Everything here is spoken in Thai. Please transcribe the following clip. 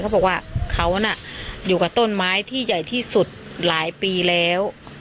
เขาบอกว่าเขาน่ะอยู่กับต้นไม้ที่ใหญ่ที่สุดหลายปีแล้ว